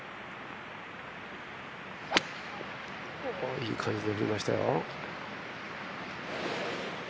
いい感じで振りましたよ。